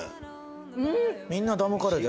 みんなダムカレーで。